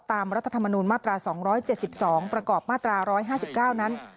รัฐธรรมนูญมาตรา๒๗๒ประกอบมาตรา๑๕๙นั้น